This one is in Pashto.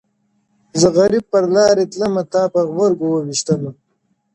زه غریب پر لاري تلمه تا په غبرګو وویشتمه.!